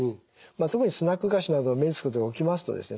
特にスナック菓子などを目につくところへ置きますとですね